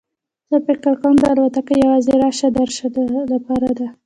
زه فکر کوم دا الوتکه یوازې راشه درشه لپاره ده.